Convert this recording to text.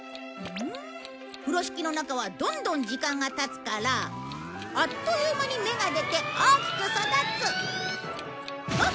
ふろしきの中はどんどん時間が経つからあっという間に芽が出て大きく育つ。